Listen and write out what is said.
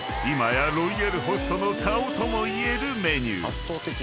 今やロイヤルホストの顔ともいえるメニュー］